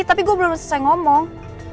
tapi gue belum selesai ngomong